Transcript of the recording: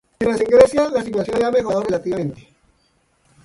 Mientras, en Grecia la situación había mejorado relativamente.